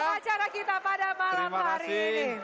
acara kita pada malam hari ini